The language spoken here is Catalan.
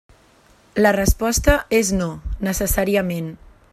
La resposta és no, necessàriament.